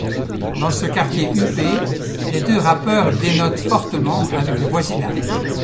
Dans ce quartier huppé, les deux rappeurs dénotent fortement avec le voisinage...